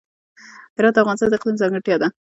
هرات د افغانستان د اقلیم ځانګړتیا ده.